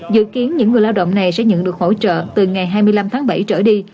dự kiến những người lao động này sẽ nhận được hỗ trợ từ ngày hai mươi năm tháng bảy trở đi